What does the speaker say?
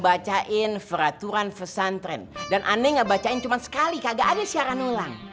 bacain peraturan pesantren dan aneh ngebacain cuma sekali kagak ada siaran ulang